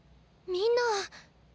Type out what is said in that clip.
みんな。